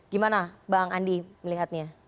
gimana bang andi melihatnya